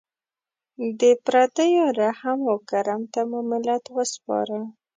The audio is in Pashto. د پردیو رحم و کرم ته مو ملت وسپاره.